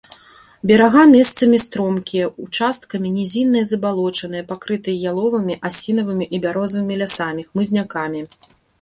Берага месцамі стромкія, участкамі нізінныя і забалочаныя, пакрытыя яловымі, асінавымі і бярозавымі лясамі, хмызнякамі.